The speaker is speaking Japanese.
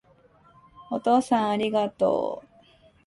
お父さんありがとう